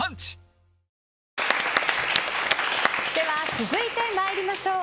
続いて参りましょう。